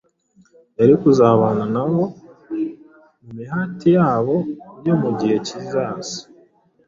yari kuzabana nabo mu mihati yabo yo mu gihe kizaza.